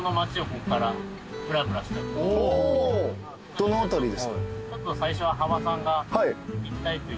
どの辺りですか？